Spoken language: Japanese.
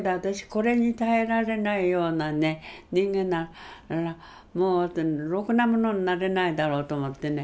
これに耐えられないような人間ならもうろくなものになれないだろうと思ってね